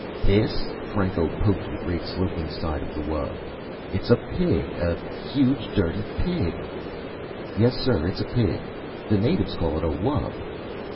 "This?" Franco poked the great sloping side of the wub. "It's a pig! A huge dirty pig!" "Yes sir, it's a pig. The natives call it a wub."